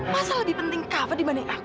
masa lebih penting cover dibanding aku